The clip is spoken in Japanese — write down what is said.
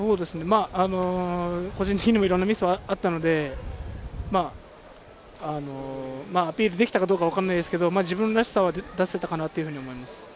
個人的にもいろんなミスがあったので、アピールできたかどうかわからないですけれど、自分らしさは出せたかなと思います。